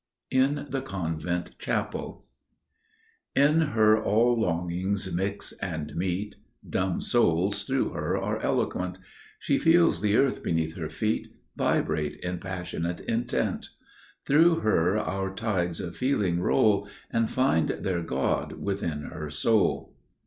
In the Convent Chapel "In her all longings mix and meet; Dumb souls through her are eloquent; She feels the earth beneath her feet Vibrate in passionate intent; Through her our tides of feeling roll And find their God within her soul."